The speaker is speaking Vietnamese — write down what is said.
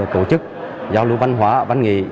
tổ chức giao lưu văn hóa văn nghỉ